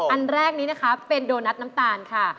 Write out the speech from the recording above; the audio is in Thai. อันแรกนี้นะคะเป็นโดนัทน้ำตาลค่ะ